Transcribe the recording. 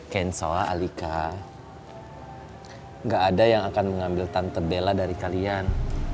kensoa alika gak ada yang akan mengambil tante bela dari kalian